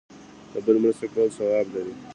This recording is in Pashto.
د بل مرسته کول ثواب لري